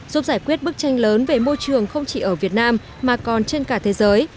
giúp giải quyết bức tranh lớn về môi trường không chỉ ở việt nam mà còn trên cả thế giới